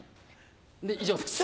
以上です。